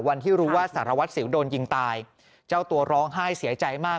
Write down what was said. วันที่รู้ว่าสารวัตรสิวโดนยิงตายเจ้าตัวร้องไห้เสียใจมาก